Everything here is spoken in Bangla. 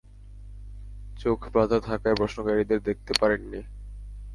চোখ বাঁধা থাকায় প্রশ্নকারীদের দেখতে পারেননি।